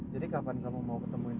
jadi kapan kamu mau ketemuin